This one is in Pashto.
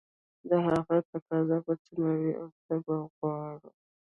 د هغه تقاضا به څومره وي او څه به غواړي